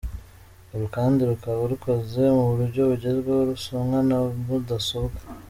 Uru kandi rukaba rukoze mu buryo bugezweho rusomwa na za mudasobwa.